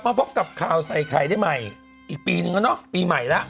พบกับข่าวใส่ไข่ได้ใหม่อีกปีนึงแล้วเนอะปีใหม่แล้ว